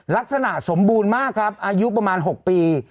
สมบูรณ์มากครับอายุประมาณ๖ปี